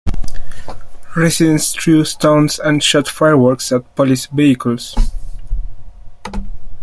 Residents threw stones and shot fireworks at police vehicles.